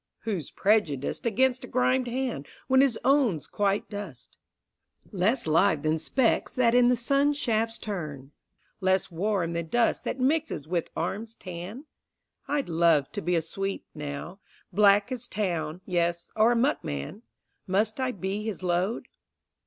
Who's prejudiced Against a grimed hand when his own's quite dust, Less live than specks that in the sun shafts turn, Less warm than dust that mixes with arms' tan? I'd love to be a sweep, now, black as Town, Yes, or a muckman. Must I be his load?